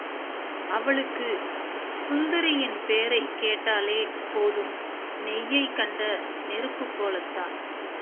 அவளுக்குச் சுந்தரியின் பேரைக் கேட்டாலே போதும் நெய்யைக் கண்ட நெருப்புப் போலத்தான்.